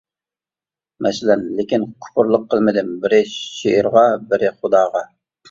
مەسىلەن: لېكىن كۇپۇرلۇق قىلمىدىم بىرى شېئىرغا، بىرى خۇداغا.